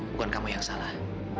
bukan kamu yang salah